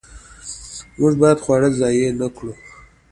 موږ باید خواړه ضایع نه کړو.